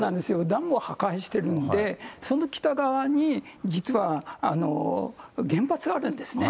ダムを破壊してるんで、その北側に実は原発があるんですね。